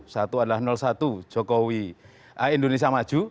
satu adalah satu jokowi indonesia maju